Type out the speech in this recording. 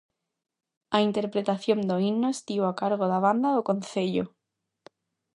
A interpretación do himno estivo a cargo da banda do concello.